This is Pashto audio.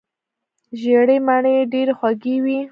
ژیړې مڼې ډیرې خوږې وي.